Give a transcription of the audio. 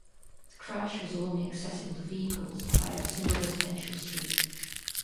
The crash was only accessible to vehicles via a single residential street.